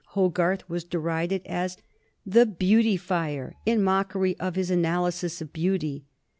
Hogarth was derided as "The Butyfier," in mockery of his "Analysis of Beauty."